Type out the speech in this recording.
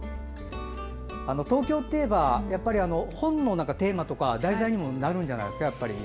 東京といえば、本のテーマとか題材にもなるんじゃないんですか。